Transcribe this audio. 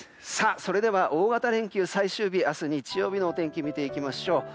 それでは、大型連休最終日明日、日曜日のお天気見ていきましょう。